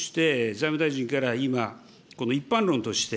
財務大臣から今、この一般論として、